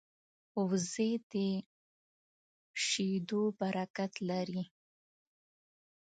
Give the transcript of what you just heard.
وزې د شیدو برکت لري